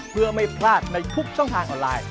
เพื่อไม่พลาดในทุกช่องทางออนไลน์